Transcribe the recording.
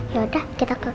yaudah kita ke